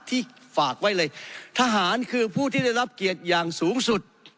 ฝากไว้เลยทหารคือผู้ที่ได้รับเกียรติอย่างสูงสุด